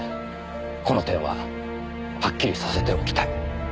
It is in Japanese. この点ははっきりさせておきたい。